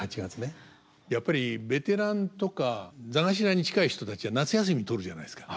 やっぱりベテランとか座頭に近い人たちは夏休み取るじゃないですか。